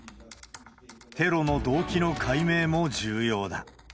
テロの動機の解明も重要だ。